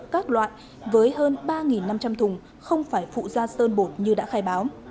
các loại với hơn ba năm trăm linh thùng không phải phụ da sơn bột như đã khai báo